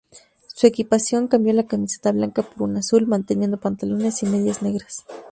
Su equipación cambió la camiseta blanca por una azul, manteniendo pantalones y medias negras.